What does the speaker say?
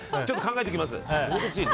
ちょっと考えときます。